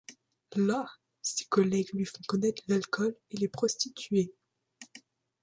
Là, ses collègues lui font connaître l'alcool et les prostituées.